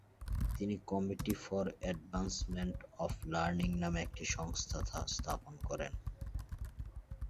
তিনি committee for advancement of learning নামে একটি সংস্থা স্থাপন করেন।